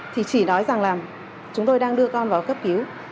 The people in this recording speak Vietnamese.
thì chỉ nói rằng là chúng tôi đang đưa con vào cấp cứu